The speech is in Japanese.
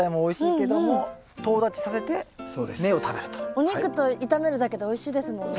お肉と炒めるだけでおいしいですもんね。